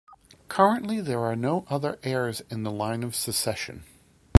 Currently, there are no other heirs in the line of succession.